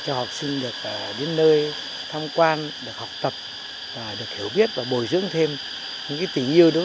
cho học sinh được đến nơi tham quan được học tập được hiểu biết và bồi dưỡng thêm những tỉ nhiêu